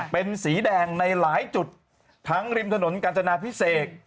เป็นสีแดงในหลายจุดทั้งริมถนนกาญจนาพิเศษ